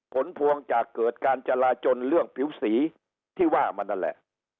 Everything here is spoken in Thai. ผลพวงจากเกิดการจราจนเรื่องผิวสีที่ว่ามันนั่นแหละ